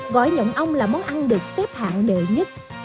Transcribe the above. gỏi nhồng ong là món ăn được phép hạng đệ nhất